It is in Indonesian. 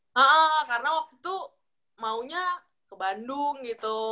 haaah karena waktu itu maunya ke bandung gitu